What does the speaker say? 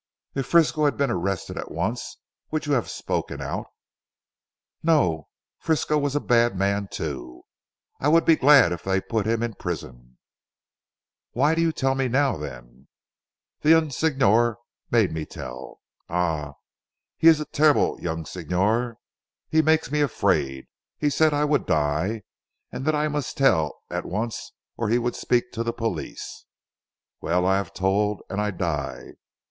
"If Frisco had been arrested at once would you have spoken out?" "No. Frisco was a bad man too. I would be glad if they put him in prison." "Why do you tell now then?" "The young Signor made me tell. Ah! he is a terrible young Signor. He makes me afraid. He said I would die, and that I must tell at once or he would speak to the police. Well I have told and I die.